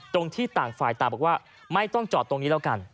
ตรงที่ต่างฝ่ายต่างบอกว่าไม่ต้องจอดตรงนี้แล้วกัน